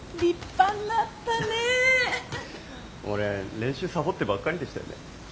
俺練習サボってばっかりでしたよね。